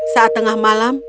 saat tengah malam